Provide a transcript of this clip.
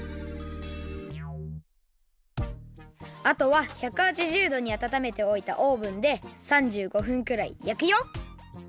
あとは１８０どにあたためておいたオーブンで３５分くらいやくよ。